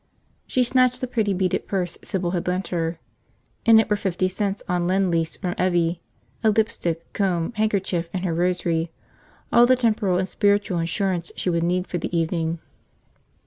She snatched the pretty beaded purse Sybil had lent her. In it were fifty cents on lend lease from Evvie, a lipstick, comb, handkerchief, and her rosary, all the temporal and spiritual insurance she would need for the evening.